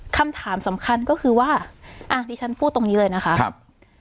คำถามสำคัญก็คือว่าอ่ะดิฉันพูดตรงนี้เลยนะคะครับ